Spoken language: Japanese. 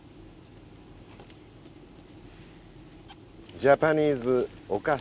ジャパニーズお菓子。